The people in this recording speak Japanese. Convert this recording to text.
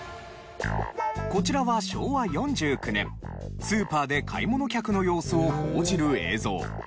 こちらは昭和４９年スーパーで買い物客の様子を報じる映像。